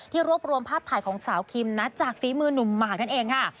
รวบรวมภาพถ่ายของสาวคิมนะจากฝีมือหนุ่มหมากนั่นเองค่ะ